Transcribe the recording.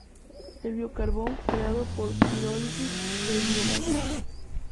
El bio-carbón, creado por pirólisis de la biomasa.